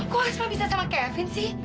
kok asma bisa sama kevin sih